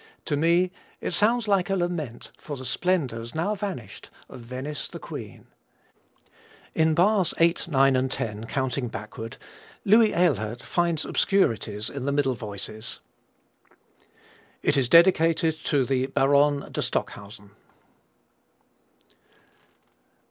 To me it sounds like a lament for the splendors, now vanished, of Venice the Queen. In bars 8, 9, and 10, counting backward, Louis Ehlert finds obscurities in the middle voices. It is dedicated to the Baronne de Stockhausen.